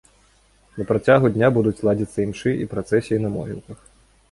На працягу дня будуць ладзіцца імшы і працэсіі на могілках.